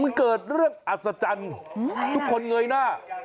มันเกิดเรื่องอัศจรรย์ทุกคนเงยหน้า